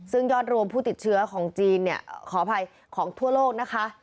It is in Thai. ซึ่งยอดรวมผู้ติดเชื้อของจีนเนี่ยขออภัยของทั่วโลกนะคะ